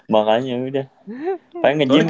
makanya udah pengen nge gym